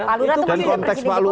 pak lura itu mungkin yang presiden joko